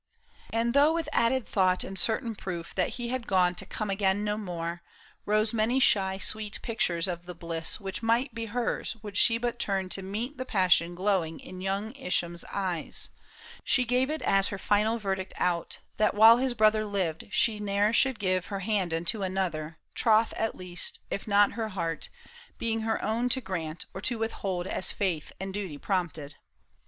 PAUL I SHAM. 57 And though with added thought and certain proof That he had gone to come again no more, Rose many shy sweet pictures of the bliss Which might be hers would she but turn to meet The passion glowing in young Isham's eyes, She gave it as her final verdict out, That while his brother lived she ne'er should give Her hand unto another, troth at least, If not her heart, being her own to grant Or to withhold as faith and duty prompted.